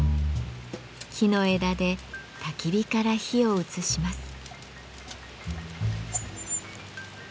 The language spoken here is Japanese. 木の枝でたき火から火を移します。